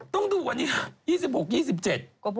ต้องดูวันนี้๒๖๒๗